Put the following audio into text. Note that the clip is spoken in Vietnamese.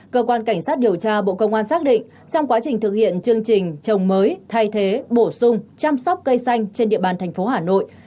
cơ quan cảnh sát điều tra bộ công an xác định trong quá trình thực hiện chương trình trồng mới thay thế bổ sung chăm sóc cây xanh trên địa bàn thành phố hà nội